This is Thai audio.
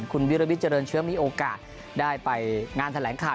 คุณวิรวิทย์เจริญเชื้อมีโอกาสได้ไปงานแถลงข่าว